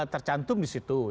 tercantum di situ